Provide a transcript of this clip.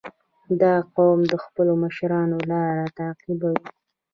• دا قوم د خپلو مشرانو لار تعقیبوي.